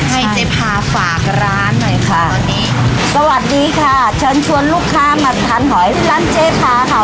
ให้เจภาฝากร้านหน่อยค่ะสวัสดีค่ะเชิญชวนลูกค้ามาทานหอยร้านเจภาค่ะ